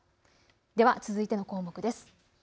では続いての項目です。